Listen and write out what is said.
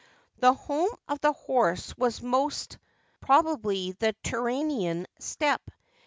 The home of the horse was most probably the Turanian steppe.